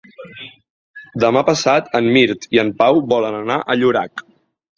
Demà passat en Mirt i en Pau volen anar a Llorac.